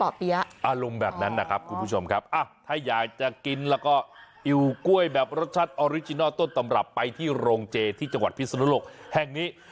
ป่อเปี๊ยะอารมณ์แบบนั้นนะครับคุณผู้ชมครับถ้าอยากจะกินแล้วก็อิ่วกล้วยแบบรสชาติออริจินัลต้นตำรับไปที่โรงเจที่จังหวัดพิศนุโลกแห่งนี้